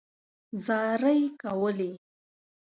زارۍ کولې.